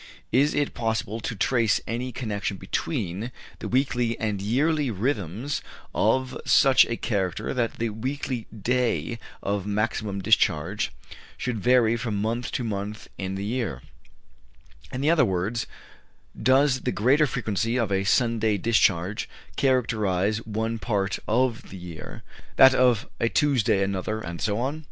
Is it possible to trace any connection between the weekly and yearly rhythms of such a character that the weekly day of maximum discharge should vary from month to month in the year; in other words, does the greater frequency of a Sunday discharge characterize one part of the year, that of a Tuesday another, and so on?